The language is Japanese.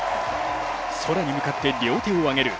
空に向かって両手を挙げる